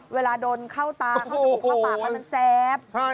เวลาโดนเข้าตาเข้าสูงปากเขาจะแซ่บ